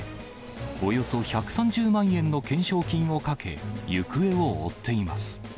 およそ１３０万円の懸賞金をかけ、行方を追っています。